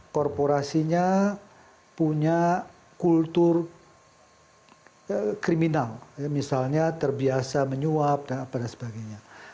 korporasinya punya kultur kriminal misalnya terbiasa menyuap dan sebagainya